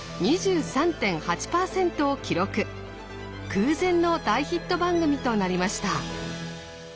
空前の大ヒット番組となりました。